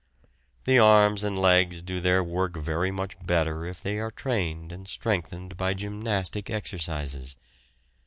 The arms and legs do their work very much better if they are trained and strengthened by gymnastic exercises.